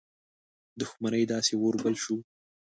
دښمنۍ داسي اور بل شو.